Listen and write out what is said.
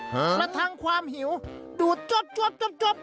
ประทังความหิวดูดจบ